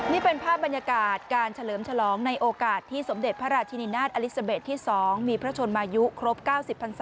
นี่เป็นภาพบรรยากาศการเฉลิมฉลองในโอกาสที่สมเด็จพระราชินินาศอลิซาเบสที่๒มีพระชนมายุครบ๙๐พันศา